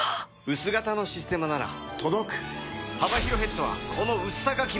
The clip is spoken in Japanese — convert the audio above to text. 薄型の「システマ」なら届く「システマ」